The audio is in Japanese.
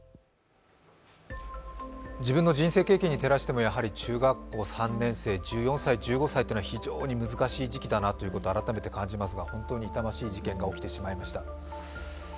自分の人生経験に照らしても中学校３年生、１４歳、１５歳というのは非常に難しい時期だなということを改めて感じますが本当に痛ましい事件が起きてしまいました。